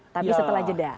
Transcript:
tapi setelah jeda